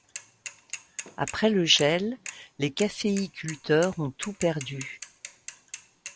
Après le gel, les caféiculteurs ont tout perdu.